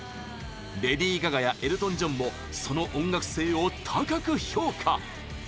レディー・ガガやエルトン・ジョンもその音楽性を高く評価！